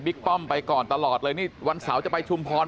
ป้อมไปก่อนตลอดเลยนี่วันเสาร์จะไปชุมพร